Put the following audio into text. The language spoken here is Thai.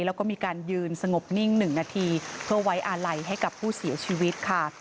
แล้วก็มีการยืนสงบนิ่ง๑นาทีเพื่อไว้อาลัยให้กับผู้เสียชีวิตค่ะ